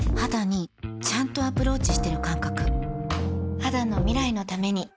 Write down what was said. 肌の未来のために